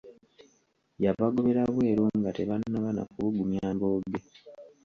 Yabagobera bweru nga tebannaba na kubugumya mbooge.